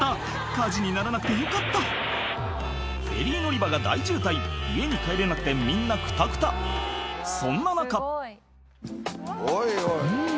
火事にならなくてよかったフェリー乗り場が大渋滞家に帰れなくてみんなくたくたそんな中ん